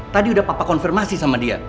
tadi udah papa konfirmasi sama dia